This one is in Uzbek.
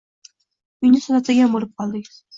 Uyni sotadigan bo`lib qoldik